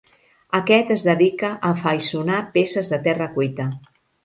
Aquest es dedica a afaiçonar peces de terra cuita.